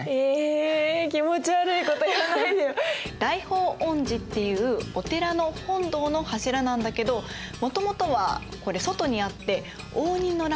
大報恩寺っていうお寺の本堂の柱なんだけどもともとはこれ外にあって応仁の乱で被災した柱なんです。